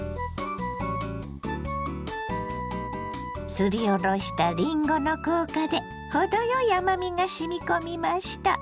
すりおろしたりんごの効果で程よい甘みがしみ込みました。